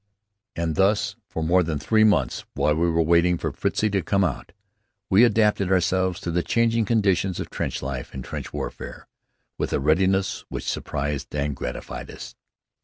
And thus for more than three months, while we were waiting for Fritzie to "come out," we adapted ourselves to the changing conditions of trench life and trench warfare, with a readiness which surprised and gratified us.